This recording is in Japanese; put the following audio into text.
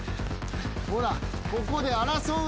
ほらここで争うなよ